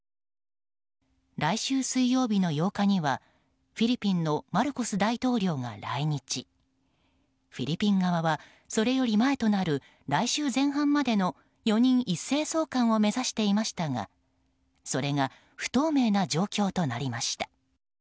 来週水曜日の８日にはフィリピンのマルコス大統領が来日フィリピン側はそれより前となる来週前半までの４人一斉送還を目指していましたがそれが不透明な状況となりました。